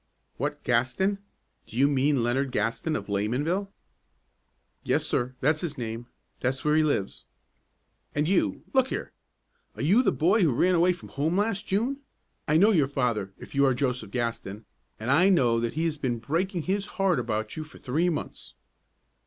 "What Gaston? Do you mean Leonard Gaston, of Laymanville?" "Yes, sir, that's his name. That's where he lives." "And you look here! Are you the boy who ran away from home last June? I know your father, if you are Joseph Gaston, and I know that he has been breaking his heart about you for three months."